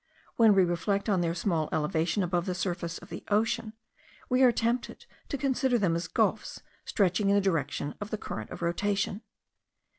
When we reflect on their small elevation above the surface of the ocean, we are tempted to consider them as gulfs stretching in the direction of the current of rotation.